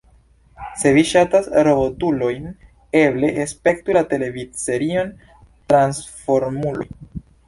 Se vi ŝatas robotulojn, eble spektu la televidserion Transformuloj.